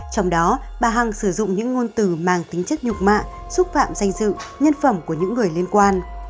trong đó bà hằng sử dụng những ngôn từ mang tính chất nhục mạ xúc phạm danh dự nhân phẩm của những người liên quan